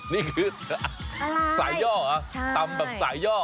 นี่คือสายย่อเหรอตำแบบสายย่อ